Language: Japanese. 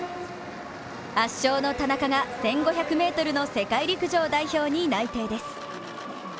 圧勝の田中が１５００ｍの世界陸上代表に内定です。